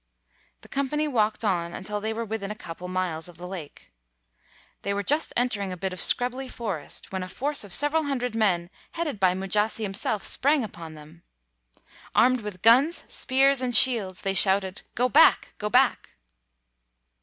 The company walked on until they were within a couple of miles of the lake. They were just entering a bit of scrubby forest, when a force of several hundred men headed by Mujasi himself sprang upon them. Armed with guns, spears, and shields, they shouted, "Go back! go back!"